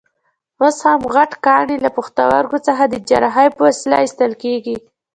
اوس هم غټ کاڼي له پښتورګو څخه د جراحۍ په وسیله ایستل کېږي.